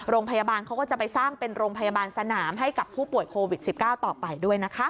เขาก็จะไปสร้างเป็นโรงพยาบาลสนามให้กับผู้ป่วยโควิด๑๙ต่อไปด้วยนะคะ